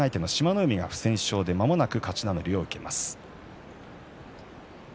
海が不戦勝でまもなく勝ち名乗りを受けます。